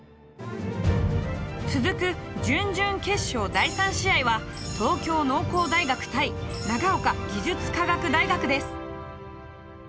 続く準々決勝第３試合は東京農工大学対長岡技術科学大学です。